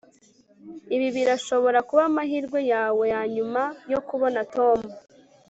ibi birashobora kuba amahirwe yawe yanyuma yo kubona tom